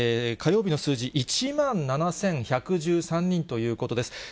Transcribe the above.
火曜日の数字、１万７１１３人ということです。